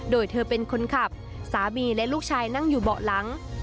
โดยเธอเป็นคนขับสามีและลูกชายนั่งอยู่เบาะหลัง